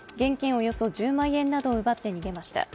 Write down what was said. およそ１０万円などを奪って逃げました。